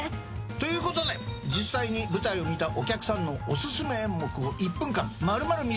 ということで実際に舞台を見たお客さんのお薦め演目を１分間丸々見せちゃう。